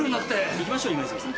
行きましょう今泉さん。